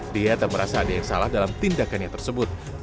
dia tak merasa ada yang salah dalam tindakannya tersebut